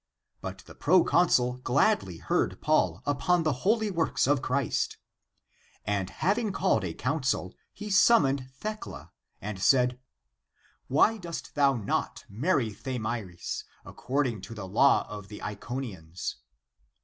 2^ But the proconsul gladly heard Paul upon the holy works of Christ.^^ And having called a council he summoned Thecla and said, " Why dost thou not marry Thamyris, according to the law of the Iconians